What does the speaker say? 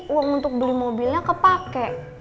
uang untuk beli mobilnya kepake